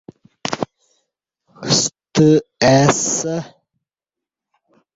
ستہ آئی سہ؟